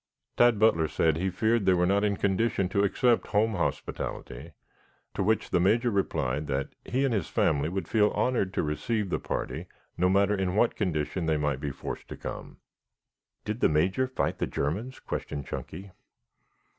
Tad Butler said he feared they were not in condition to accept home hospitality to which the Major replied that he and his family would feel honored to receive the party, no matter in what condition they might be forced to come. "Did the Major fight the Germans?" questioned Chunky.